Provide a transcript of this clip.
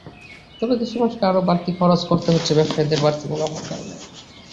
তবে দেশের মানুষকে আরও বাড়তি খরচ করতে হচ্ছে ব্যবসায়ীদের বাড়তি মুনাফার কারণে।